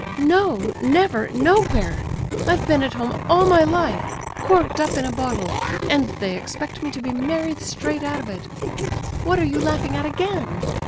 "No—never—nowhere! I've been at home all my life, corked up in a bottle; and they expect me to be married straight out of it. What are you laughing at again?